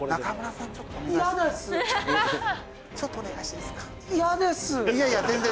ちょっとお願いして。